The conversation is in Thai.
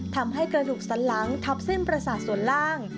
ทำให้กระดูกสันหลังทับเส้นประสาทส่วนล่าง